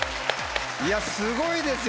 すごいですよ！